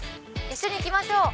一緒に行きましょう！